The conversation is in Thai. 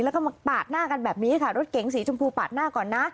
แล้วก็มาปาดหน้ากันแบบนี้ค่ะรถเก๋งสีชมพูปาดหน้าก่อนนะ